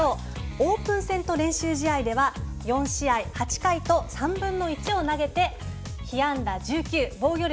オープン戦と練習試合では４試合８回と３分の１を投げて被安打１９防御率